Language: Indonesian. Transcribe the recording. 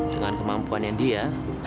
dengan kemampuannya dia